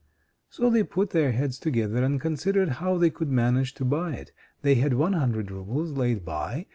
So they put their heads together and considered how they could manage to buy it. They had one hundred roubles laid by.